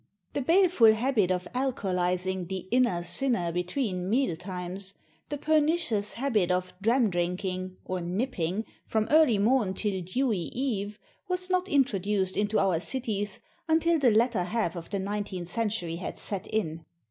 The baleful habit of alcoholising the inner sinner between meal times, the pernicious habit of dram drinking, or "nipping," from early morn till dewy eve, was not introduced into our cities until the latter half of the nineteenth century had set in.